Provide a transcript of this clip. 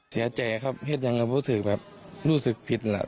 เสียแจครับเหลศอย่างนะเคฟสึกแบบรู้สึกผิดนะครับ